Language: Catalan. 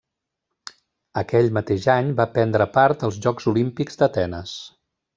Aquell mateix any va prendre part als Jocs Olímpics d'Atenes.